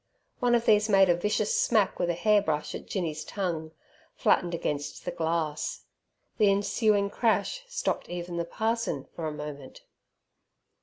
One of these made a vicious smack with a hair brush at Jinny's tongue, flattened against the glass. The ensuing crash stopped even the parson for a moment.